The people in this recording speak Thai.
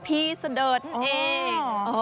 พีศเดิร์ตเอง